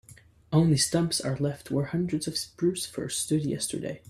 Only stumps are left where hundreds of spruce firs stood yesterday.